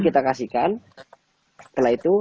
kita kasihkan setelah itu